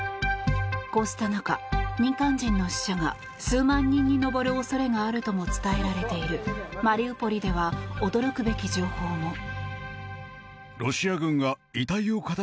こうした中、民間人の死者が数万人に上る恐れがあると伝えられているマリウポリでは驚くべき情報も。